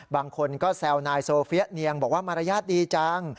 บางคนก็แซวนายโซเฟียเนียงบอกว่ามารยาทดีจัง